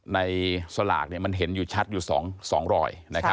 ในศาลากินมันเห็นอยู่ชัดอยู่๒๐๐นะครับ